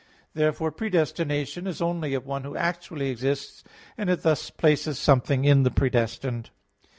Therefore predestination is only of one who actually exists; and it thus places something in the predestined.